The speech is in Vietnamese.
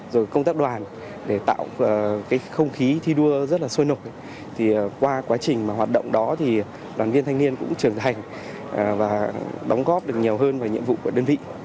rồi công tác đoàn để tạo cái không khí thi đua rất là sôi nổi thì qua quá trình mà hoạt động đó thì đoàn viên thanh niên cũng trưởng thành và đóng góp được nhiều hơn về nhiệm vụ của đơn vị